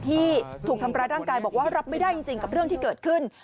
ที่ถูกทำร้ายร่างกายบอกว่ารับไม่ได้จริงกับเรื่องที่เกิดขึ้น